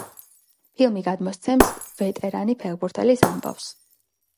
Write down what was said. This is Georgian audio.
ფილმი გადმოსცემს ვეტერანი ფეხბურთელის ამბავს.